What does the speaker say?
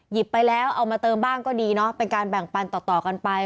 ไปแล้วเอามาเติมบ้างก็ดีเนาะเป็นการแบ่งปันต่อกันไป